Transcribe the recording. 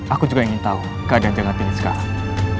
aku juga ingin tahu keadaan jaka tingkir sekarang